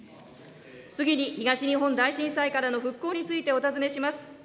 次に、東日本大震災からの復興についてお尋ねします。